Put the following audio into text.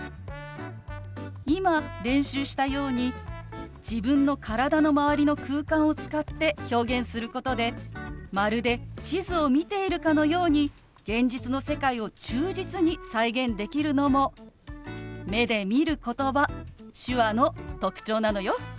今練習したように自分の体の周りの空間を使って表現することでまるで地図を見ているかのように現実の世界を忠実に再現できるのも目で見る言葉手話の特徴なのよ。